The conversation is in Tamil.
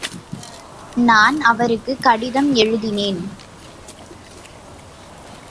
நான் அவருக்குக் கடிதம் எழுதினேன்.